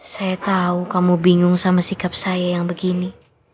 saya tahu kamu bingung sama sikap saya yang begini